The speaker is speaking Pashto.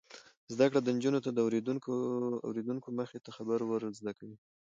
زده کړه نجونو ته د اوریدونکو مخې ته خبرې ور زده کوي.